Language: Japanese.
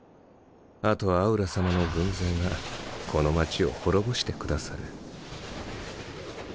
後はアウラ様の軍勢がこの街を滅ぼしてくださる。